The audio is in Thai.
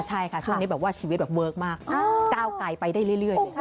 ใช่ค่ะช่วงนี้ชีวิตเวิร์กมากก้าวไกลไปได้เรื่อย